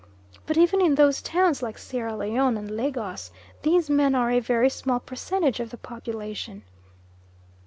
But even in those towns like Sierra Leone and Lagos these men are a very small percentage of the population.